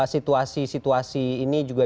situasi situasi ini juga